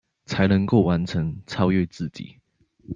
才能夠完成、超越自己